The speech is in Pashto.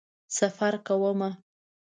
سفر کومه